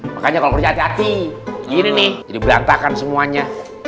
makanya kalau kerja hati hati gini nih jadi berantakan semuanya